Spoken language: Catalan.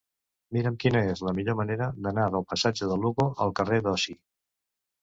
Mira'm quina és la millor manera d'anar del passatge de Lugo al carrer d'Osi.